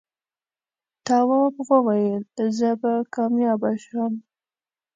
تواب وويل: زه به کامیابه شم.